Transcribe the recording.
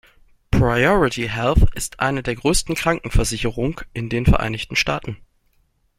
Priority Health ist eine der größten Krankenversicherung in den Vereinigten Staaten.